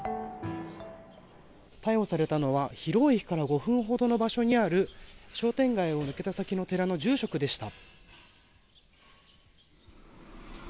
逮捕されたのは広尾駅から５分ほどの場所にある商店街を抜けた先の住職でした。